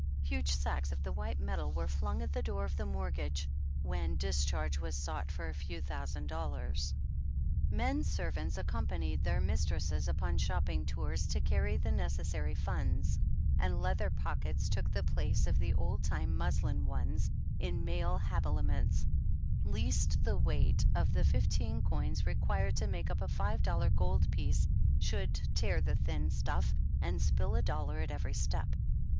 Hugh sacks of the white metal were flung at the door of the mortgagee when discharge was sought for a few thousand dollars. Men ser 31 Tants accompanied their mistresses upon shopping tours to carry the necessary funds, and leather pockets took the place of the old time muslin ones in male habiliments, least the weight of the fifteen coins re quired to make up a five dollar gold piece should tear the thin stuff and spill a dollar at every step.